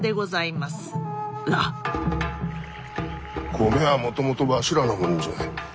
米はもともとわしらのもんじゃ。